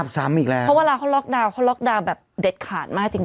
เพราะว่าเขาล็อกดาวน์แบบเด็ดขาดมากจริง